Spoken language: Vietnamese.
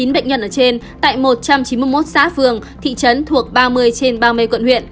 năm trăm linh chín bệnh nhân ở trên tại một trăm chín mươi một xã phường thị trấn thuộc ba mươi trên ba mươi quận